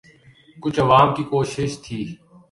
کچھ عوام کی کوشش تھی۔